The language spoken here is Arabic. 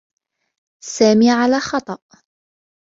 سامي على خطأ.